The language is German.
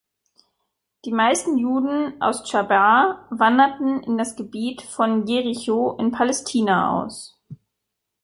Die meisten Juden aus Chaibar wanderten in das Gebiet von Jericho in Palästina aus.